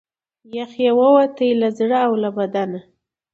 یخ یې ووتی له زړه او له بدنه